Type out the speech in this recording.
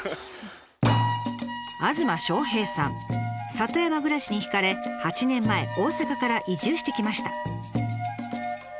里山暮らしに惹かれ８年前大阪から移住してきました。